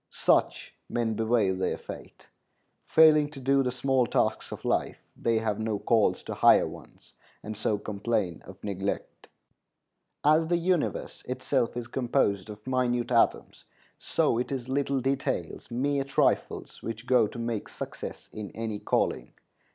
Such men bewail their fate. Failing to do the small tasks of life, they have no calls to higher ones, and so complain of neglect. As the universe itself is composed of minute atoms, so it is little details, mere trifles, which go to make success in any calling.